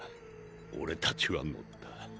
俺たちは乗った。